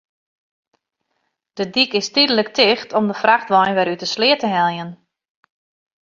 De dyk is tydlik ticht om de frachtwein wer út de sleat te heljen.